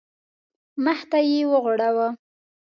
مخ ته یې وغوړاوه.